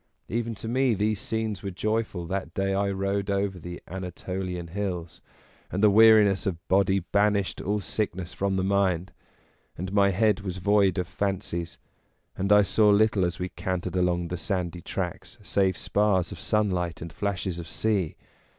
Even to me these scenes were joyful that day I rode over the Anatolian hills, and the weariness of body banished all sickness from the mind, and my head was void of fancies, and I saw little as we cantered along the sandy tracks save spars of sunlight and flashes of sea.